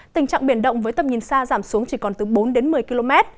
tình trạng biển động với tầm nhìn xa giảm xuống chỉ còn từ bốn đến một mươi km